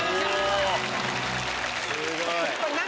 すごい。